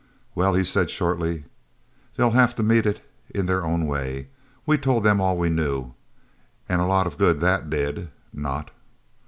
"Well," he said shortly, "they'll have to meet it their own way. We told them all we knew. And a lot of good that did—not!"